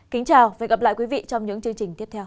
kính chào và hẹn gặp lại quý vị trong những chương trình tiếp theo